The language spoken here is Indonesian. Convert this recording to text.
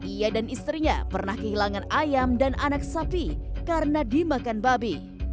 ia dan istrinya pernah kehilangan ayam dan anak sapi karena dimakan babi